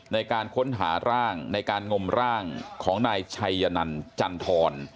ในการค้นหาร่างในการงมร่างของนายชัยนันจันทร